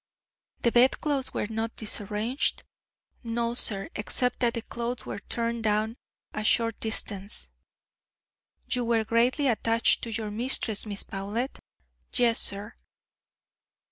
"The bedclothes were not disarranged?" "No, sir, except that the clothes were turned down a short distance." "You were greatly attached to your mistress, Miss Powlett?" "Yes, sir."